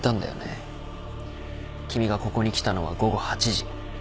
君がここに来たのは午後８時。